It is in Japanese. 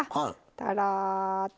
たらーっと。